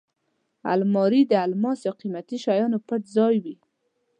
الماري د الماس یا قېمتي شیانو پټ ځای وي